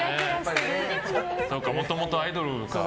もともとアイドルだから。